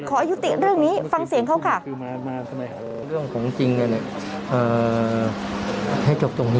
ขอยุติเรื่องนี้ฟังเสียงเขาค่ะ